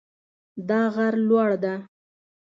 دا غر لوړ ده